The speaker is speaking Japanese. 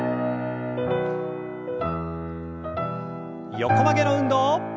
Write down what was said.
横曲げの運動。